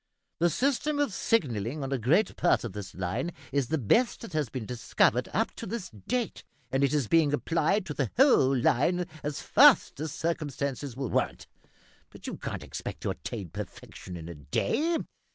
The system of signalling on a great part of this line is the best that has been discovered up to this date, and it is being applied to the whole line as fast as circumstances will warrant; but you can't expect to attain perfection in a day.